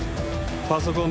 パソコン